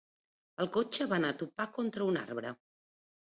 El cotxe va anar a topar contra un arbre.